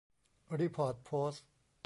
รีพอร์ตโพสต์